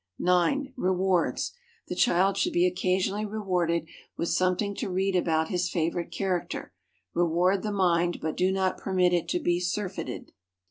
9. Rewards. The child should be occasionally rewarded with something to read about his favorite character. Reward the mind, but do not permit it to be surfeited.